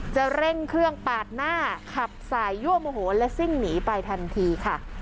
เร่งเครื่องปาดหน้าขับสายยั่วโมโหและซิ่งหนีไปทันทีค่ะ